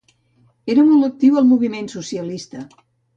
Era molt actiu al moviment socialista.